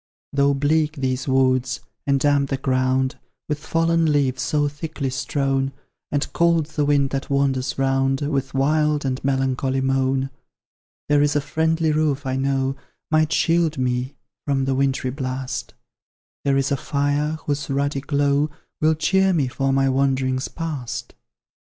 Though bleak these woods, and damp the ground With fallen leaves so thickly strown, And cold the wind that wanders round With wild and melancholy moan; There IS a friendly roof, I know, Might shield me from the wintry blast; There is a fire, whose ruddy glow Will cheer me for my wanderings past.